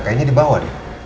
kayaknya di bawah